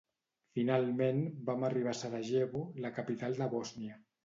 Finalment vam arribar a Sarajevo, la capital de Bòsnia.